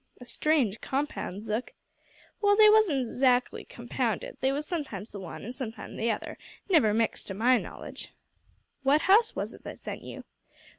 "A strange compound, Zook." "Well, they wasn't 'zactly compounded they was sometimes the one an' sometimes the other; never mixed to my knowledge." "What house was it that sent you?"